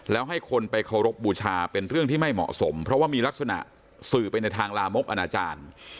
แล้วให้คนไปเคารพบูชาเป็นเรื่องที่ไม่เหมาะสมเพราะว่ามีลักษณะสื่อไปในทางลามกอนาจารย์